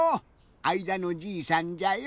あいだのじいさんじゃよ。